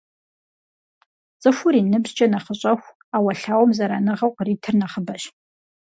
ЦӀыхур и ныбжькӀэ нэхъыщӀэху, Ӏэуэлъауэм зэраныгъэу къритыр нэхъыбэщ.